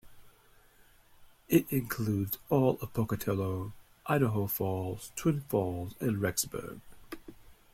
It includes all of Pocatello, Idaho Falls, Twin Falls, and Rexburg.